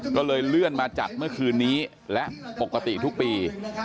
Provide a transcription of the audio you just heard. ก็เลยเลื่อนมาจัดเมื่อคืนนี้และปกติทุกปี